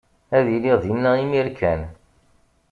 Ad iliɣ dinna imir kan.